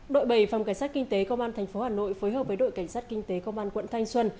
đội bảy phòng cảnh sát kinh tế công an tp hà nội phối hợp với đội cảnh sát kinh tế công an quận thanh xuân